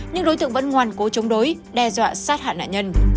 nhưng đối tượng vẫn ngoan cố chống đối đe dọa sát hại nạn nhân